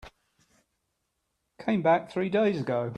Came back three days ago.